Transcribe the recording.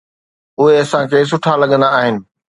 اهي اسان کي سٺا لڳندا آهن.